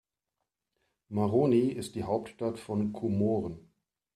Moroni ist die Hauptstadt von Komoren.